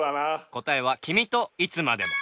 答えは『君といつまでも』。